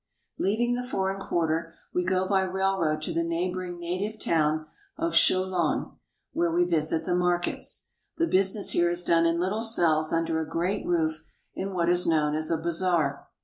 Leaving the foreign quarter, we go by railroad to the neighboring native town of Cholon (sho ldN^), where we visit the markets. The business here is done in little cells under a great roof in what is known as a bazaar.